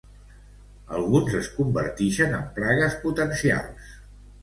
Algunes es convertixen en plagues potencials.